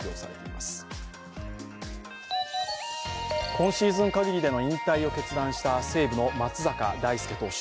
今シーズン限りでの引退を決断した西武の松坂大輔投手。